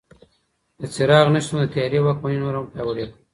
د څراغ نه شتون د تیارې واکمني نوره هم پیاوړې کړه.